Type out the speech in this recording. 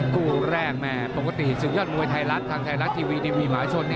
คู่แรกแม่ปกติศึกยอดมวยไทยรัฐทางไทยรัฐทีวีนี่มีหมาชน